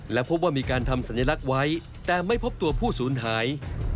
และพบว่ามีการทำสัญลักษณ์ไว้แต่ไม่พบตัวผู้สูญหาย